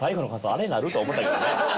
あれになる？とは思ったけどね。